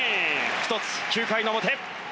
１つ９回の表。